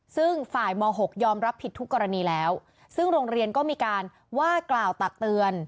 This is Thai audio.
ซึ่งฝ่ายม๖ยอมรับผิดทุกกรณีแล้วซึ่งโรงเรียนก็มีการว่ากล่าวตักเตือน